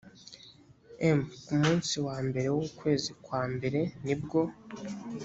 m ku munsi wa mbere w ukwezi kwa mbere ni bwo